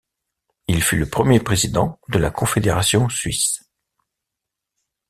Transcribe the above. Il fut le premier président de la Confédération suisse.